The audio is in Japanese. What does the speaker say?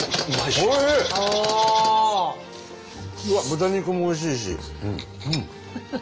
豚肉もおいしいし。